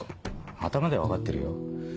頭では分かってるよ。